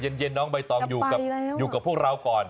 เย็นน้องใบตองอยู่กับพวกเราก่อน